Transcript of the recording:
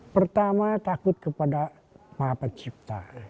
pertama takut kepada maha pencipta